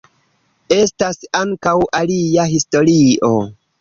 Estas ankaŭ alia historio.